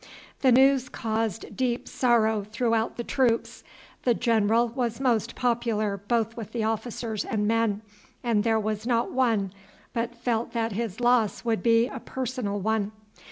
The news caused deep sorrow throughout the troops. The general was most popular both with officers and men, and there was not one but felt that his loss would be a personal one.